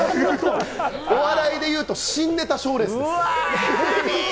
お笑いで言うと、新ネタ賞レースです。